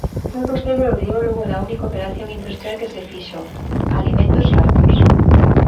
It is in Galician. Foi vostede o ideólogo da única operación industrial que se fixo: Alimentos Lácteos.